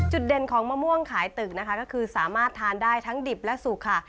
จุดเด่นของมะม่วงไข่ตึกคือสามารถทานได้ทั้งดิบและสุกค่ะ